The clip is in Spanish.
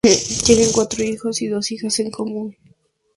Tienen cuatro hijos y dos hijas en común.